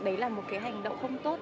đấy là một cái hành động không tốt